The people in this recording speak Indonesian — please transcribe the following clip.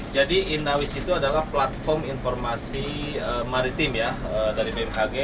jadi inawis itu adalah platform informasi maritim ya dari bmkg